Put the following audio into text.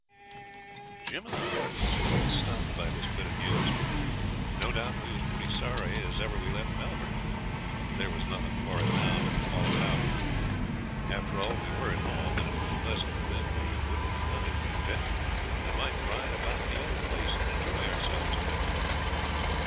Jim and I was quite stunned by this bit of news; no doubt we was pretty sorry as ever we left Melbourne, but there was nothing for it now but to follow it out. After all, we were at home, and it was pleasant to think we wouldn't be hunted for a bit and might ride about the old place and enjoy ourselves a bit.